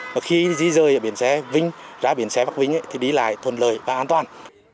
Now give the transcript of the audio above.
và khi dì rơi ở biển xe vinh ra biển xe bắc vinh thì đi lại thuần lời và an toàn